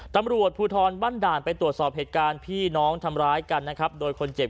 ตำรวจภูทรบ้านด่านไปตรวจสอบเหตุการณ์พี่น้องทำร้ายกันนะครับโดยคนเจ็บ